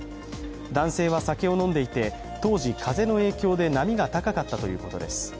男性は酒を飲んでいて、当時、風の影響で波が高かったということです。